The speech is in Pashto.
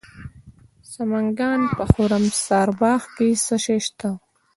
د سمنګان په خرم سارباغ کې څه شی شته؟